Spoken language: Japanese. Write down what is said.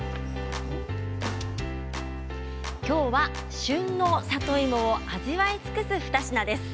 今日は旬の里芋を味わい尽くす２品です。